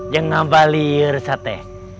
jangan balir sate